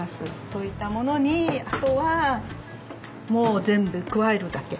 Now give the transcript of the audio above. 溶いたものにあとはもう全部加えるだけ。